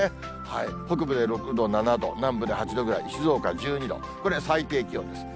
北部で６度、７度、南部で８度ぐらい、静岡１２度、これ、最低気温です。